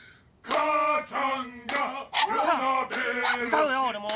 歌うよ俺も！